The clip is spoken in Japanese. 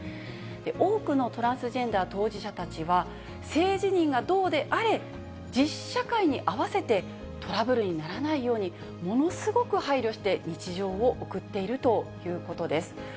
多くのトランスジェンダー当事者たちは、性自認がどうであれ、実社会に合わせてトラブルにならないように、ものすごく配慮して日常を送っているということです。